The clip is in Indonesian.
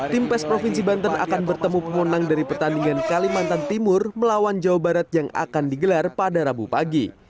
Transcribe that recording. tim pes provinsi banten akan bertemu pemenang dari pertandingan kalimantan timur melawan jawa barat yang akan digelar pada rabu pagi